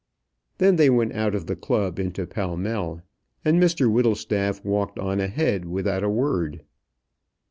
Then they went out of the club into Pall Mall, and Mr Whittlestaff walked on ahead without a word.